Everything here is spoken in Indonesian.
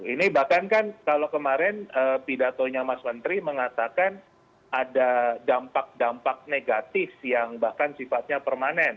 ini bahkan kan kalau kemarin pidatonya mas menteri mengatakan ada dampak dampak negatif yang bahkan sifatnya permanen